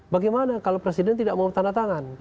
bagaimana kalau presiden tidak mau tanda tangan